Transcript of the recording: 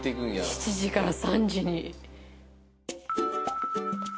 ７時から３時に。